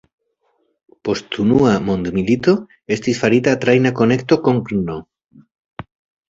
Post unua mondmilito estis farita trajna konekto kun Brno.